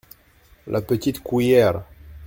La petite cuillère.